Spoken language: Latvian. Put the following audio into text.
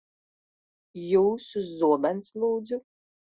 Jūsu zobenus, lūdzu.